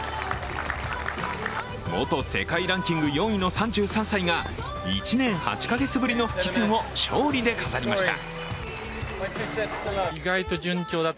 元世界ランキング４位の３３歳が１年８か月ぶりの復帰戦を勝利で飾りました。